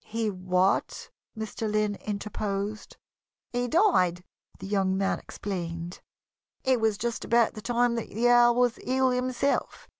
"He what?" Mr. Lynn interposed. "He died," the young man explained. "It was just about the time that the Earl was ill himself.